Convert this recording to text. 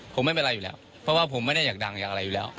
ผมไม่เป็นไรอยู่แล้วเพราะว่าผมไม่ได้อยากดังอยากอะไรอยู่แล้ว